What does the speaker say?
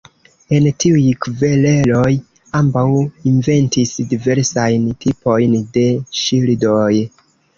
En tiuj kvereloj, ambaŭ inventis diversajn tipojn de ŝildoj.